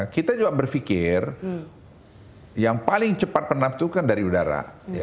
kita juga berpikir yang paling cepat penampukan dari udara